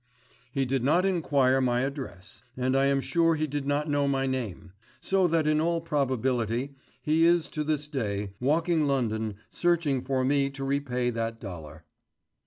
He did not inquire my address, and I am sure he did not know my name, so that in all probability he is to this day walking London searching for me to repay that dollar.